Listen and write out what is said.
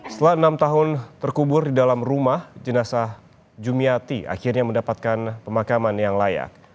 setelah enam tahun terkubur di dalam rumah jenazah jumiati akhirnya mendapatkan pemakaman yang layak